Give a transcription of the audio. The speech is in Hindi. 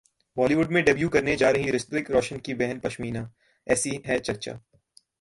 बॉलीवुड में डेब्यू करने जा रहीं ऋतिक रोशन की बहन पश्मिना? ऐसी है चर्चा